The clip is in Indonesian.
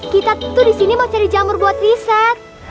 kita tuh disini mau cari jamur buat riset